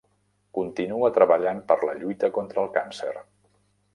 Continua treballant per la lluita contra el càncer.